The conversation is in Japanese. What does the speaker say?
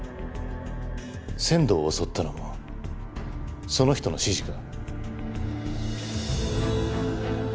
千堂を襲ったのもその人の指示か？